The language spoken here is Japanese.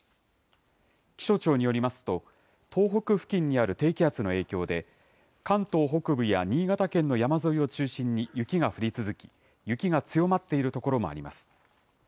気象庁によりますと、東北付近にある低気圧の影響で、関東北部や新潟県の山沿いを中心に雪が降り続き、雪が強まっている所もあります。